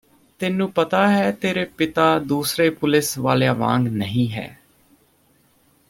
ਤੈਨੂੰ ਪਤਾ ਹੈ ਤੇਰੇ ਪਾਪਾ ਦੂਸਰੇ ਪੁਲੀਸ ਵਾਲਿਆਂ ਵਾਂਗ ਨਹੀ ਹੈ